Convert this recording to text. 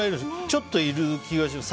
ちょっといる気がします